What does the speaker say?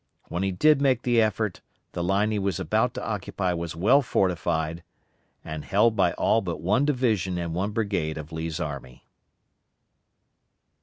When he did make the effort the line he was about to occupy was well fortified and held by all but one division and one brigade of Lee's army.